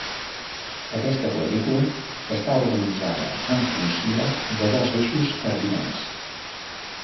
Aquesta quadrícula està organitzada en funció de dos eixos cardinals.